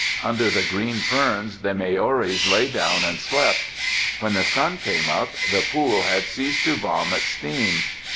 Under the green ferns the Maoris lay down and slept. When the sun came up the pool had ceased to vomit steam.